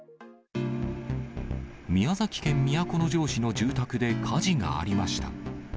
宮崎県都城市の住宅で火事がありました。